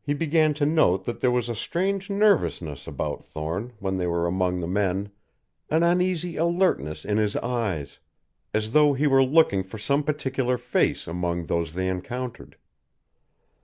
He began to note that there was a strange nervousness about Thorne when they were among the men, an uneasy alertness in his eyes, as though he were looking for some particular face among those they encountered.